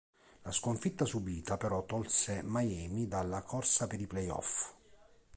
La sconfitta subita però tolse Miami dalla corsa per i playoff.